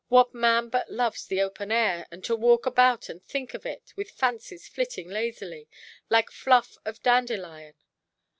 What man but loves the open air, and to walk about and think of it, with fancies flitting lazily, like fluff of dandelion?